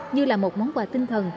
như là một món quà tinh thần